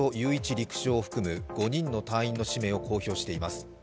陸将を含む５人の隊員の氏名を公表しています。